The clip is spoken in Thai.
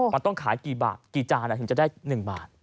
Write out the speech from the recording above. มันต้องขายกี่บาทกี่จานถึงจะได้๑บาท